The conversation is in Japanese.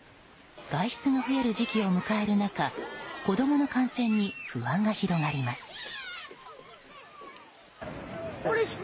外出が増える時期を迎える中子供の感染に不安が広がります。